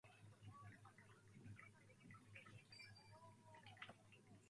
靴下をはく